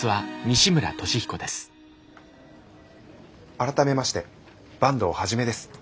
改めまして坂東一です。